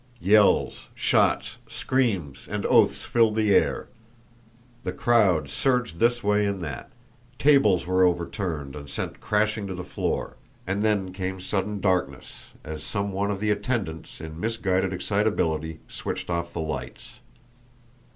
Yells, shots, screams, and oaths filled the air. The crowd surged this way and that. Tables were overturned and sent crashing to the floor. And then came sudden darkness, as some one of the attendants in misguided excitability switched off the lights.